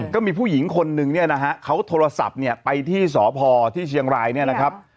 ก็มีผู้หญิงคนนึงเนี่ยนะฮะเขาโทรศัพท์เนี่ยไปที่สพที่เชียงรายเนี่ยนะครับ